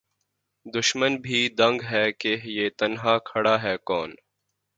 دُشمن بھی دنگ ہے کہ یہ تنہا کھڑا ہے کون